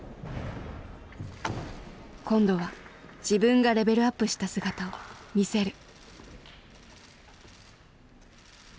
今度は自分がレベルアップした姿を見せる。